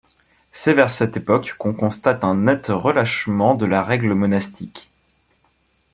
C'est vers cette époque qu'on constate un net relâchement de la règle monastique.